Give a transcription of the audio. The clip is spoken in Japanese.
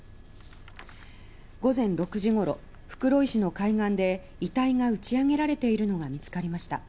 午前６時ごろ袋井市の海岸で遺体が打ち上げられているのが見つかりました。